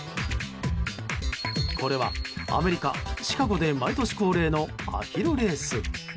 これはアメリカ・シカゴで毎年恒例のアヒルレース。